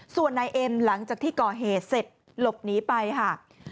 ส่วนนายเอ็มหลังจากที่ก่อเหตุเสร็จหลบหนีไปค่ะ